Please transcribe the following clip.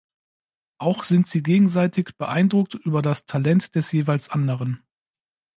Auch sind sie gegenseitig beeindruckt über das Talent des jeweils anderen.